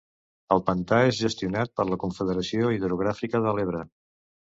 El pantà és gestionat per la Confederació Hidrogràfica de l'Ebre.